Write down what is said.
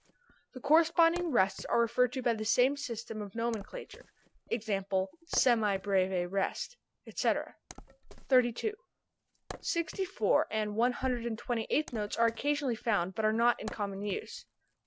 The corresponding rests are referred to by the same system of nomenclature: e.g., semi breve rest, etc. 32. Sixty fourth and one hundred and twenty eighth notes are occasionally found, but are not in common use.